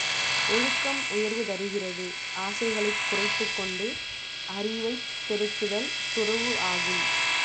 ஒழுக்கம் உயர்வு தருகிறது ஆசைகளைக் குறைத்துக்கொண்டு அறிவைப் பெருக்குதல் துறவு ஆகும்.